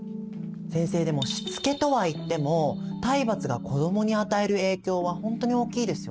先生でもしつけとはいっても体罰が子どもに与える影響は本当に大きいですよね。